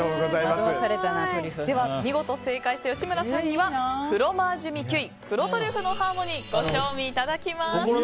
見事正解した吉村さんにはフロマージュ・ミ・キュイ黒トリュフのハーモニーご賞味いただきます。